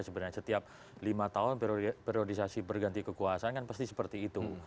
sebenarnya setiap lima tahun periodisasi berganti kekuasaan kan pasti seperti itu